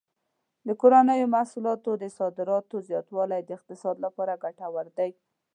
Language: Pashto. د کورنیو محصولاتو د صادراتو زیاتوالی د اقتصاد لپاره ګټور دی.